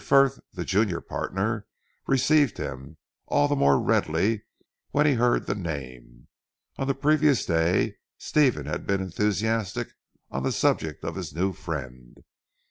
Frith the junior partner received him, all the more readily, when he heard the name. On the previous day, Stephen had been enthusiastic on the subject of his new friend.